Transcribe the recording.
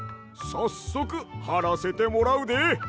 さっそくはらせてもらうで。